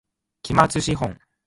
期末資本